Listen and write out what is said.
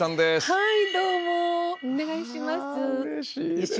はい。